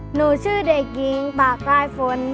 หนูชื่อเด็กกิ้งปากร้ายฝน